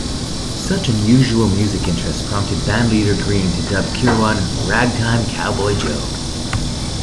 Such unusual musical interests prompted band leader Green to dub Kirwan "Ragtime Cowboy Joe".